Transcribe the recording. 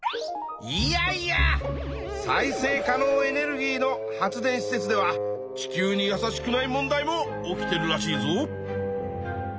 いやいや再生可能エネルギーの発電施設では地球に優しくない問題も起きてるらしいぞ！